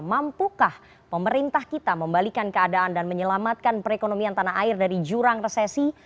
mampukah pemerintah kita membalikan keadaan dan menyelamatkan perekonomian tanah air dari jurang resesi